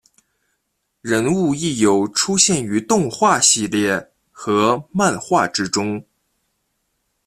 人物亦有出现于动画系列和漫画之中。